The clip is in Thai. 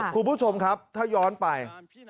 คุณผู้ชมครับถ้าย้อนไป